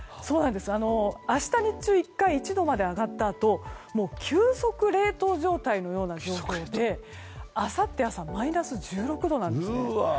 明日、日中１度まで１回上がったあと急速冷凍状態のような状況であさって朝マイナス１６度なんですね。